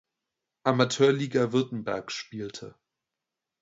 Amateurliga Württemberg spielte.